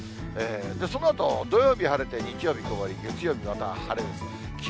そのあと、土曜日晴れて、日曜日曇り、月曜日がまた晴れです。